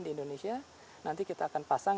di indonesia nanti kita akan pasang